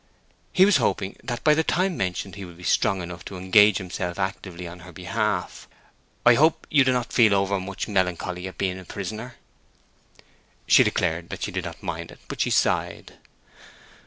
He was hoping that by the time mentioned he would be strong enough to engage himself actively on her behalf. "I hope you do not feel over much melancholy in being a prisoner?" She declared that she did not mind it; but she sighed.